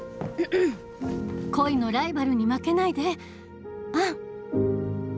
恋のライバルに負けないでアン！